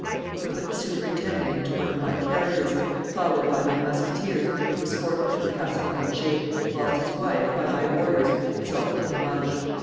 They put the superintendent into one of my carriages, followed by my musketeers, to escort him to the castle of Angers, whilst his wife, by my orders, is off to Limoges.